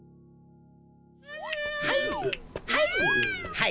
はい！